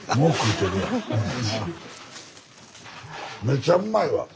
めちゃうまいわ。